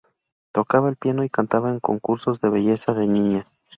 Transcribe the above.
Tocaba el piano y cantaba en concursos de belleza de niña.